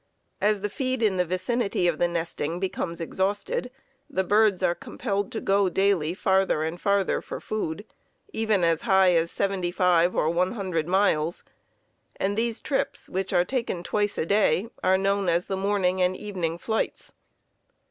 As the feed in the vicinity of the nesting becomes exhausted, the birds are compelled to go daily farther and farther for food, even as high as seventy five or one hundred miles, and these trips, which are taken twice a day, are known as the morning and evening flights.